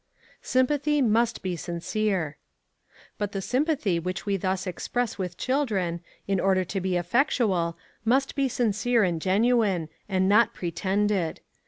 Sympathy must be Sincere. But the sympathy which we thus express with children, in order to be effectual, must be sincere and genuine, and not pretended.